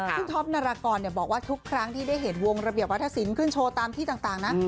ซึ่งท็อปนารากรบอกว่าทุกครั้งที่ได้เห็นวงระเบียบวัฒนศิลป์ขึ้นโชว์ตามที่ต่างนะ